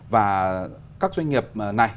và các doanh nghiệp này